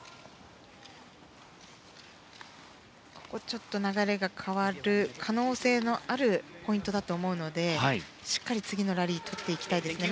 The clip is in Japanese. ちょっと流れが変わる可能性のあるポイントだと思うので次のラリーはしっかりとっていきたいですね。